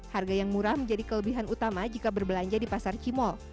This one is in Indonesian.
harga yang murah menjadi kelebihan utama jika berbelanja di pasar cimol